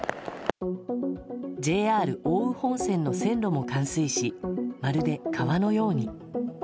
ＪＲ奥羽本線の線路も冠水しまるで川のように。